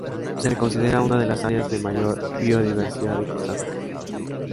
Se le considera una de las áreas de mayor biodiversidad de Costa Rica.